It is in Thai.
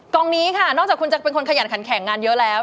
นี้ค่ะนอกจากคุณจะเป็นคนขยันขันแข็งงานเยอะแล้ว